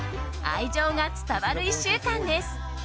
愛情が伝わる１週間です。